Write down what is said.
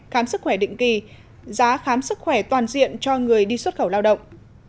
khám sức khỏe định kỳ giá khám sức khỏe toàn diện cho người đi xuất khẩu lao động